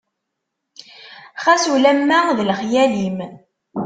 Xas ulama d lexyal-im.